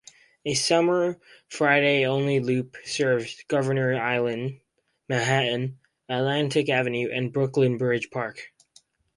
A summer Friday-only loop serves Governors Island, Manhattan, Atlantic Avenue, and Brooklyn Bridge Park.